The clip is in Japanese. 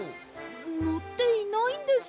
のっていないんです。